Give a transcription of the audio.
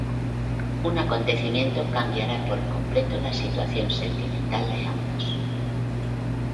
Un acontecimiento cambiara por completo la situación sentimental de ambos.